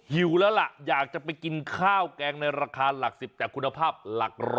หิวแล้วล่ะอยากจะไปกินข้าวแกงในราคาหลัก๑๐แต่คุณภาพหลัก๑๐๐